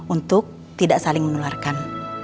untuk tidak saling menularkan